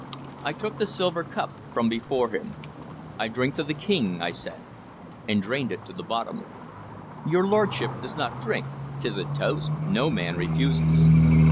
I took the silver cup from before him. "I drink to the King," I said, and drained it to the bottom. "Your lordship does not drink. 'T is a toast no man refuses."